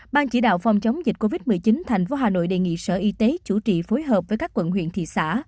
ban chỉ đạo phòng chống dịch covid một mươi chín tp hà nội đề nghị sở y tế chủ trị phối hợp với các quận huyện thị xã